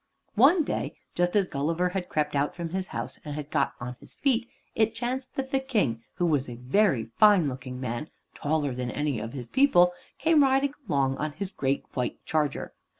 One day, just as Gulliver had crept out from his house and had got on his feet, it chanced that the King, who was a very fine looking man, taller than any of his people, came riding along on his great white charger.